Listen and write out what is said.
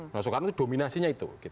masukkan itu dominasinya itu